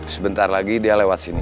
sebentar lagi dia lewat sini